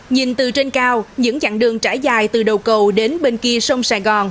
nhìn từ trên cao những chặng đường trải dài từ đầu cầu đến bên kia sông sài gòn